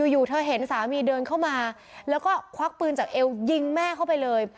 อยู่เธอเห็นสามีเดินเข้ามาแล้วก็ควักปืนจากเอวยิงแม่เข้าไปเลย